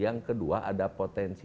yang ketiga ada potensi